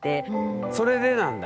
それでなんだ。